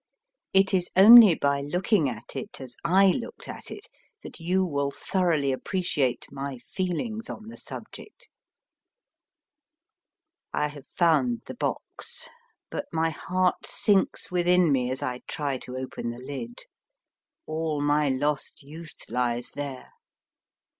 It is only by looking at it as I looked at it that you will thoroughly appreciate my feelings on the subject. I have found the box, but my heart sinks within me as I try to open the lid. All my lost youth lies there.